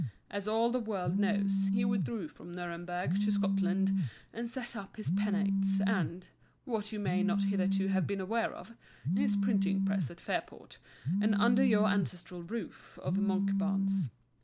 As all the world knows, he withdrew from Nuremberg to Scotland, and set up his Penates and (what you may not hitherto have been aware of) his Printing Press at Fairport, and under your ancestral roof of Monkbarns.